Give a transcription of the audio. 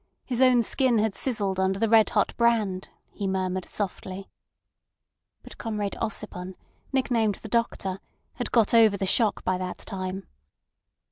His own skin had sizzled under the red hot brand, he murmured softly. But Comrade Ossipon, nicknamed the Doctor, had got over the shock by that time.